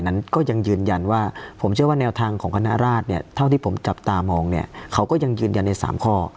นั้นก็ยังยืนยันว่าผมเชื่อว่าแนวทางของคณะราชเนี่ยเท่าที่ผมจับตามองเนี่ยเขาก็ยังยืนยันใน๓ข้อ